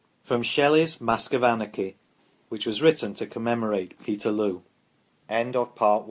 From Shelley's "Mask of Anarchy ," which, was written to commemorate Peterloo. THE STORY OF P